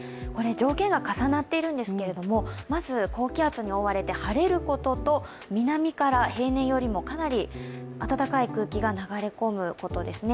条件が重なっているんですけれどもまず、高気圧に覆われて晴れることと南から平年よりもかなり暖かい空気が流れ込むことですね。